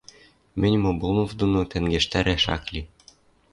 Мӹньӹм Обломов доно тӓнгӓштӓрӓш ак ли.